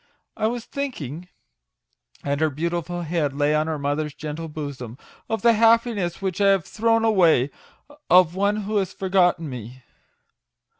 I was thinking" and her beautiful head lay on her mother's gentle bosom " of the happiness which I have thrown away of one who has forgotten me."